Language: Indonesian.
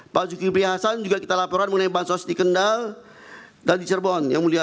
pak zulkifli hasan juga kita laporan mengenai bansos di kendal dan di cirebon yang mulia